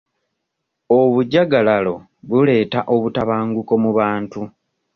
Obujjagalalo buleeta obutabanguko mu bantu.